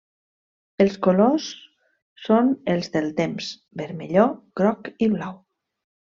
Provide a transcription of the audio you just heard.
Els colors són els del temps: vermelló, groc i blau.